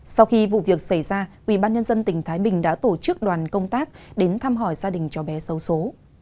sau khi vụ việc xảy ra ubnd tỉnh thái bình đã tổ chức đoàn công tác đến thăm hỏi gia đình cho bé sâu số